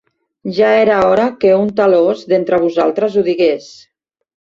Ja era hora que un talòs d'entre vosaltres ho digués.